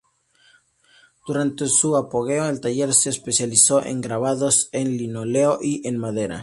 Durante su apogeo, el taller se especializó en grabados en linóleo y en madera.